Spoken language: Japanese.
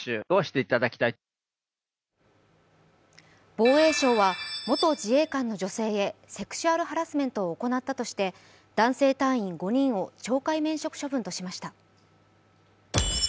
防衛省は元自衛官の女性へセクシュアルハラスメントを行ったとして男性隊員５人を懲戒免職処分としました。